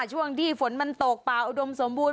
ช่วงที่ฝนมันตกป่าอุดมสมบูรณ